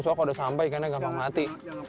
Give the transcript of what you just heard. soalnya kalau ada sampah ikannya gampang mati